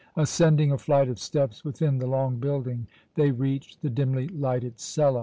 Ascending a flight of steps within the long building, they reached the dimly lighted cella.